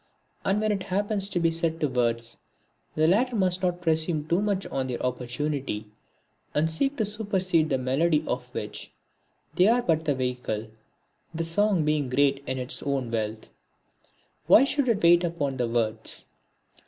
And when it happens to be set to words the latter must not presume too much on their opportunity and seek to supersede the melody of which they are but the vehicle. The song being great in its own wealth, why should it wait upon the words?